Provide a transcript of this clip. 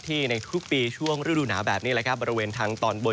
ที่ในทุกปีช่วงฤดุหนาแบบนี้บริเวณทางตอนบน